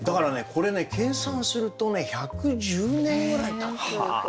これね計算するとね１１０年ぐらいたってる。